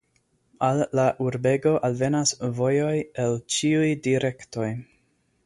Al la urbego alvenas vojoj el ĉiuj direktoj.